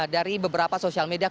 dari beberapa sosial media